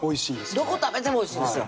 どこ食べてもおいしいですよ